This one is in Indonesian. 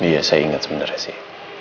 iya saya ingat sebenarnya sih